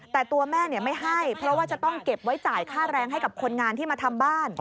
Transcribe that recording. แต่ตัวแม่ไม่ให้เพราะว่าจะต้องเก็บไว้จ่ายค่าแรงให้กับคนงานที่มาทำบ้าน